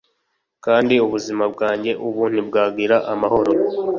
kandi ubuzima bwanjye ubu ntibwagira amahoro